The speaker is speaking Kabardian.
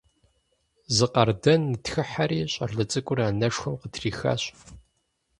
Зы къардэн нытхыхьэри, щӀалэ цӀыкӀур анэшхуэм къытрихащ.